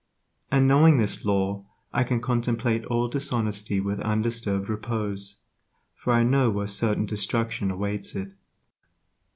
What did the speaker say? And knowing this Law I can contemplate all dishonesty with undisturbed repose, for I know where certain destruction awaits it.